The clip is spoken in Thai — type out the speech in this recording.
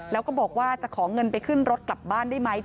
แล้วก็บอกว่าจะขอเงินไปขึ้นรถกลับบ้านได้ไหม